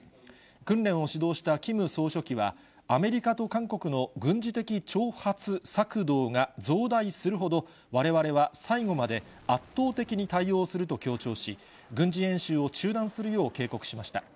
訓練を指導したキム総書記は、アメリカと韓国の軍事的挑発策動が増大するほど、われわれは最後まで圧倒的に対応すると強調し、軍事演習を中断するよう警告しました。